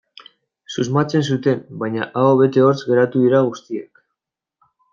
Susmatzen zuten, baina aho bete hortz geratu dira guztiak.